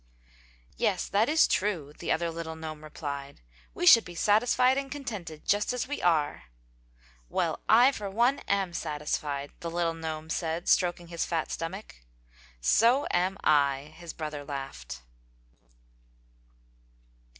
"Yes, that is true," the other little gnome replied, "We should be satisfied and contented just as we are!" "Well, I for one am satisfied!" the little gnome said, stroking his fat stomach. "So am I!" his brother laughed.